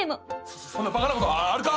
そそそんなバカなことあるか！